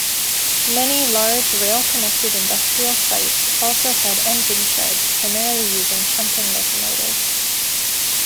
Many large rail connected industrial sites also had engine sheds primarily using shunting locomotives.